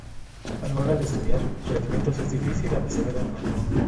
A la hora de estudiar rendimientos es difícil aseverar nada.